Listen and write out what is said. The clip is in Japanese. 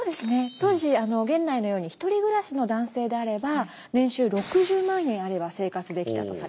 当時源内のように１人暮らしの男性であれば年収６０万円あれば生活できたとされています。